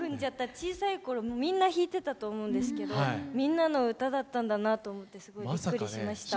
小さいころみんな弾いてたと思うんですけど「みんなのうた」だったんだなと思ってすごいびっくりしました。